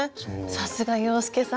さすが洋輔さん！